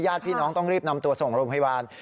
ญาติพี่น้องต้องรีบนำตัวส่งโรงพยาบาล